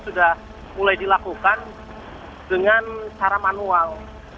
sudah mulai dilakukan dengan cara manual